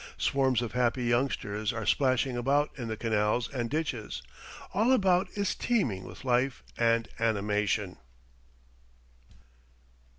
Swarms of happy youngsters are splashing about in the canals and ditches; all about is teeming with life and animation.